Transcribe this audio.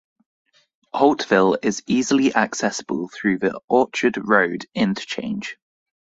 Holtville is easily accessible through the Orchard Road interchange.